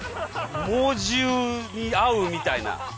猛獣に会うみたいな。